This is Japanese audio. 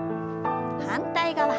反対側。